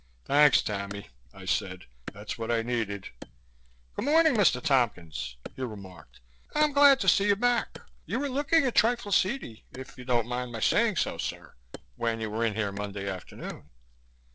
"Thanks, Tammy," I said. "That's what I needed." "Good morning, Mr. Tompkins," he remarked. "I'm glad to see you back. You were looking a trifle seedy if you don't mind my saying so, sir when you were in here Monday afternoon."